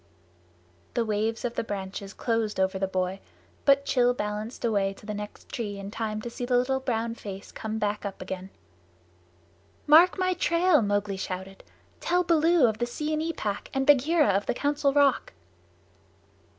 The waves of the branches closed over the boy, but Rann balanced away to the next tree in time to see the little brown face come up again. "Mark my trail!" Mowgli shouted. "Tell Baloo of the Seeonee Pack and Bagheera of the Council Rock."